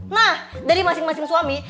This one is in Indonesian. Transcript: nah dari masing masing suami